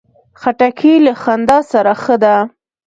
خټکی له خندا سره ښه ده.